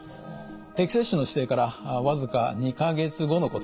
定期接種の指定から僅か２か月後のことです。